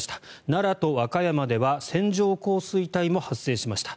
奈良と和歌山では線状降水帯も発生しました。